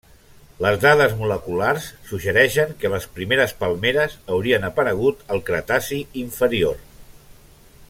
Les dades moleculars suggereixen que les primeres palmeres haurien aparegut al Cretaci Inferior.